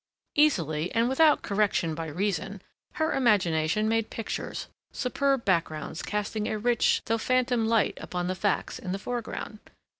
Easily, and without correction by reason, her imagination made pictures, superb backgrounds casting a rich though phantom light upon the facts in the foreground.